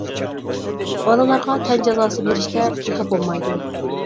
بالىلارغا تەن جازاسى بېرىشكە تېخى بولمايدۇ.